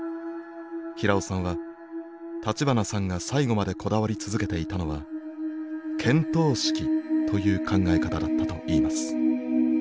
平尾さんは立花さんが最後までこだわり続けていたのは見当識という考え方だったと言います。